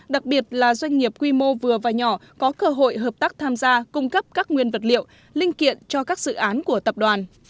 đặc biệt là doanh nghiệp quy mô vừa và nhỏ có cơ hội hợp tác tham gia cung cấp các nguyên vật liệu linh kiện cho các dự án của tập đoàn